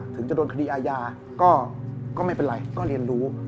ถึงจะโดนคดีอาญาก็ไม่เป็นไรก็เรียนรู้